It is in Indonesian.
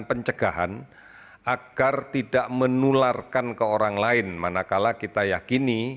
pencegahan agar tidak menularkan ke orang lain manakala kita yakini